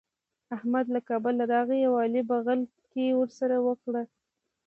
احمد له کابله راغی او علي بغل کښي ورسره وکړه.